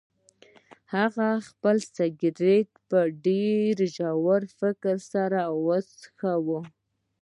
هغه خپل سګرټ په ډیر ژور فکر سره وڅکاوه.